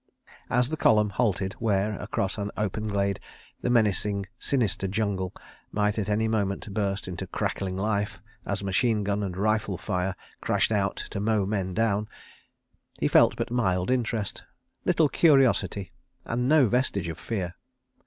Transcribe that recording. ... As the column halted where, across an open glade, the menacing sinister jungle might at any moment burst into crackling life, as machine gun and rifle fire crashed out to mow men down, he felt but mild interest, little curiosity and no vestige of fear.